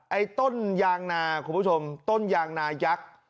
ไอ้ต้นยางนาคุณผู้ชมต้นยางนายักษ